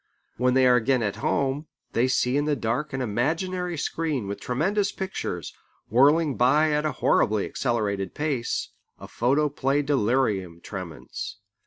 When they are again at home, they see in the dark an imaginary screen with tremendous pictures, whirling by at a horribly accelerated pace, a photoplay delirium tremens.